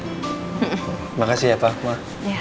terima kasih ya pak